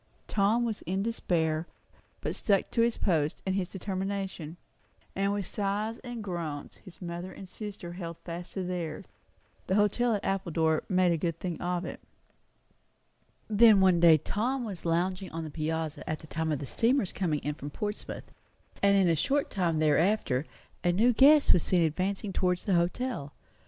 Tom was in despair, but stuck to his post and his determination; and with sighs and groans his mother and sister held fast to theirs. The hotel at Appledore made a good thing of it. Then one day Tom was lounging on the piazza at the time of the steamer's coming in from Portsmouth; and in a short time thereafter a new guest was seen advancing towards the hotel.